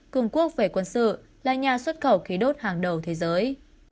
cường quốc về quân sự là nhà xuất khẩu khí đốt hàng đầu thế giới